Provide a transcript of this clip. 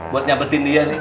buat nyabetin dia nih